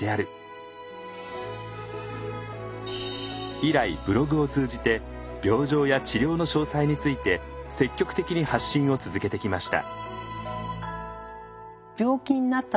以来ブログを通じて病状や治療の詳細について積極的に発信を続けてきました。